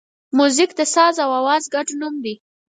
موزیک د ساز او آواز ګډ نوم دی.